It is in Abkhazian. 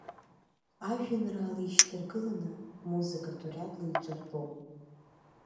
Ажәеинраала еишьҭаргыланы музыкатә риадла еиҿартәоуп.